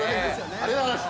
◆ありがとうございます！